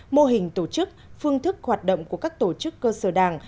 mô hình tổ chức phương thức hoạt động của các tổ chức cơ sở đảng